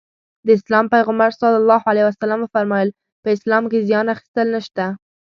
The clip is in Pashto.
د اسلام پيغمبر ص وفرمايل په اسلام کې زيان اخيستل نشته.